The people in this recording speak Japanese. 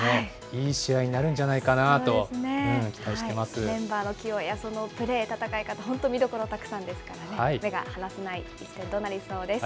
いい試合になるんじゃないかなとメンバーの起用やそのプレー、戦い方、本当、見どころたくさんですからね、目が離せない一戦となりそうです。